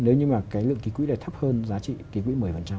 nếu như mà cái lượng ký quỹ này thấp hơn giá trị ký quỹ một mươi